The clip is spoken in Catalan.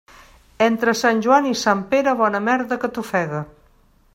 Entre Sant Joan i Sant Pere, bona merda que t'ofegue.